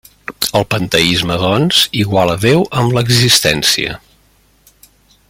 El panteisme, doncs, iguala Déu amb l'existència.